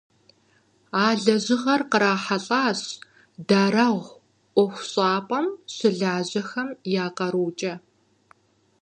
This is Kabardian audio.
А лэжьыгъэр кърахьэлӀащ «Дарэгъу» ӀуэхущӀапӀэм щылажьэхэм я къарукӀэ.